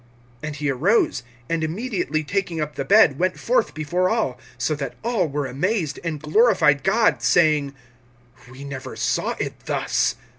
(12)And he arose, and immediately taking up the bed went forth before all; so that all were amazed, and glorified God, saying: We never saw it thus.